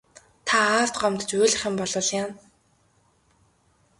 Та аавд гомдож уйлах юм болбол яана.